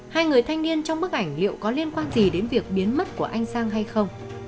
hai người thanh niên trong bức ảnh liệu có liên quan gì đến việc biến mất của anh sang hay không